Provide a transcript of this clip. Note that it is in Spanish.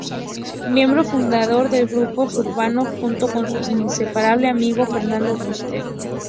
Miembro fundador del grupo Suburbano, junto con su inseparable amigo Bernardo Fuster.